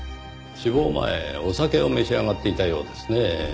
死亡前お酒を召し上がっていたようですねぇ。